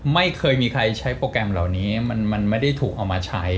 ไม่เคยมีใครใช้โปรแกรมเหล่านี้มันไม่ได้ถูกเอามาใช้